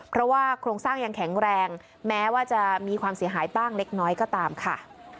เพราะว่าโครงสร้างยังแข็งแรงแม้ว่าจะมีความเสียหายบ้างเล็กน้อยก็ตามค่ะ